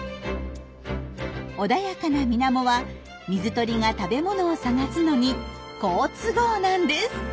穏やかな水面は水鳥が食べものを探すのに好都合なんです。